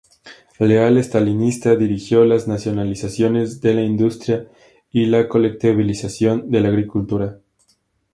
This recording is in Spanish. Leal estalinista, dirigió las nacionalizaciones de la industria y la colectivización de la agricultura.